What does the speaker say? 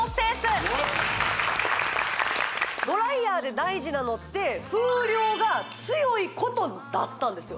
ドライヤーで大事なのって風量が強いことだったんですよ